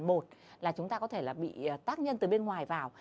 một là chúng ta có thể là bị tác nhân từ bên ngoài vào